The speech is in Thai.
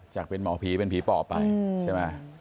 จากเป็นหมอผีเป็นผีปอบไปใช่ไหม